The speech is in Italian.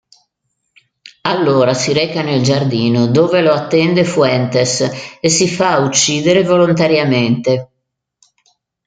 Allora si reca nel giardino dove lo attende Fuentes, e si fa uccidere volontariamente.